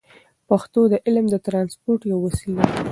پښتو د علم د ترانسپورت یوه وسیله ده.